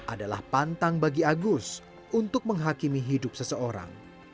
adalah pantang bagi agus untuk menghakimi hidup seseorang